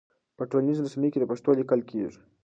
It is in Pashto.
په ټولنيزو رسنيو کې پښتو ليکل کيږي.